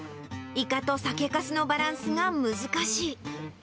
イカと酒かすのバランスが難しい。